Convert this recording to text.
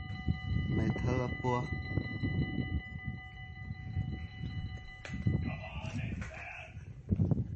Meithal a puah.